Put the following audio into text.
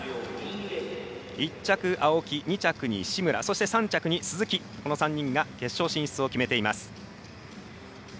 １着が青木、２着に紫村３着に鈴木、この３人が決勝進出を決めています。